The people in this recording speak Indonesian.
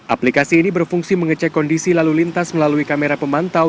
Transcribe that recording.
aplikasi ini berfungsi mengecek kondisi lalu lintas melalui kamera pemantau